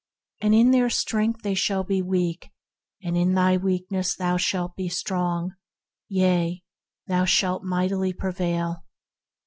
And in their strength they shall be weak; and in thy weakness thou shalt be strong; yea, thou shalt mightily prevail.